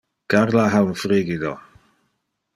Carla ha un frigido.